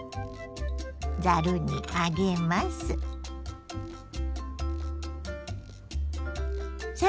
ざるにあげます。